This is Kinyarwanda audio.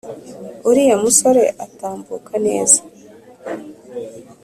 uriya musore atambuka neza